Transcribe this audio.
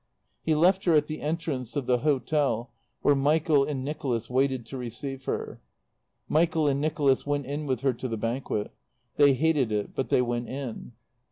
He left her at the entrance of the hotel, where Michael and Nicholas waited to receive her. Michael and Nicholas went in with her to the Banquet. They hated it, but they went in.